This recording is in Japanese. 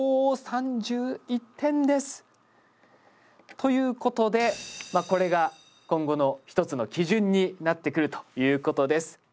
ということでこれが今後の一つの基準になってくるということです。